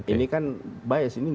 ini kan bias